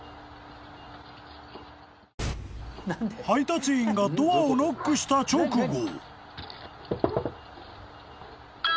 ［配達員がドアをノックした直後］